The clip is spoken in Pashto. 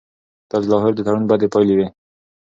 دا د لاهور د تړون بدې پایلې وې.